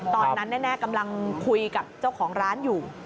ตอนนั้นแน่กำลังคุยกับเจ้าของร้านอยู่